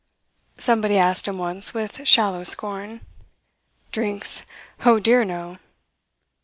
somebody asked him once with shallow scorn. "Drinks! Oh, dear no!"